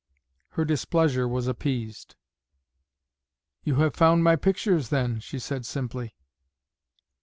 Her displeasure was appeased. "You have found my pictures, then," she said simply.